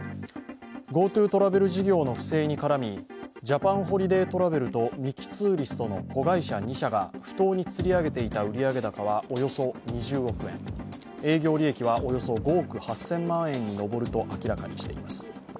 ＧｏＴｏトラベル事業の不正に絡み、ジャパンホリデートラベルとミキ・ツーリストの子会社２社が不当につり上げていた売上高はおよそ２０億円、営業利益はおよそ５億８０００万円に上ると明らかにしています。